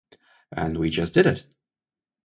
And we just did it.